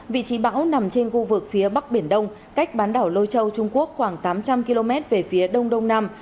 vị trí bão nằm trên khu vực phía bắc biển đông cách bán đảo lôi châu trung quốc khoảng tám trăm linh km về phía đông đông nam